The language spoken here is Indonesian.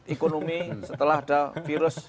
ekonomi setelah ada virus